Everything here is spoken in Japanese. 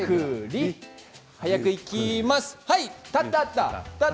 早くいきます。